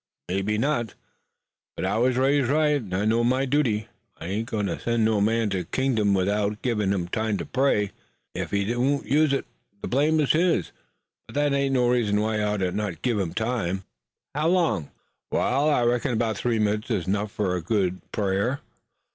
"Mebbe not, but I was raised right, an' I know my duty. I ain't goin' to send no man to kingdom without givin' him time to pray. Ef he won't use it the blame is his'n, but that ain't no reason why I oughtn't to give him the time." "How long?" "Wa'al, I reckon 'bout three minutes is 'nough fur a right good prayer.